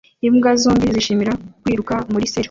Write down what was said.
Imbwa zombi zishimira kwiruka muri serf